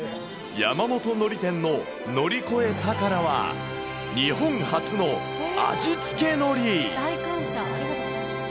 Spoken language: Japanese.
山本海苔店の乗り越え宝は、日本初の味付け海苔。